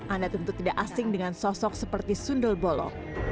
anda tentu tidak asing dengan sosok seperti sundul bolo